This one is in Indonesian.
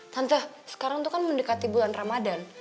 tante sekarang tuh kan mendekati bulan ramadhan